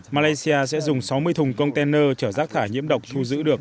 malaysia sẽ dùng sáu mươi thùng container trở rác thải nhiễm độc thu giữ được